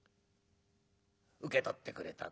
受け取ってくれたか。